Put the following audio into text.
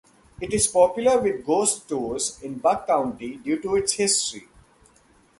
It is popular with ghost tours in Bucks County due to its history.